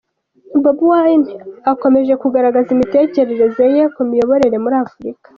Bobi Wine akomeje kugaragaza imitekerereze ye ku miyoborere muri Afurika.